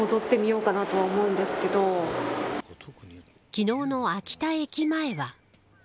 昨日の秋田駅前は。